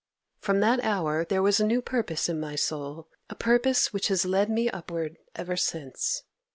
From that hour there was a new purpose in my soul—a purpose which has led me upward ever since.